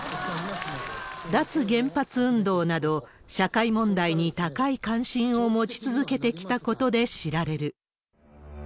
脱原発運動など、社会問題に高い関心を持ち続けてきたことで知られる。